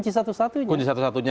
itu kunci satu satunya